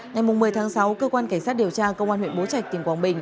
ngày một mươi tháng sáu cơ quan cảnh sát điều tra công an huyện bố trạch tỉnh quảng bình